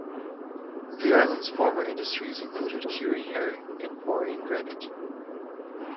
The island's former industries included curing herring and quarrying granite.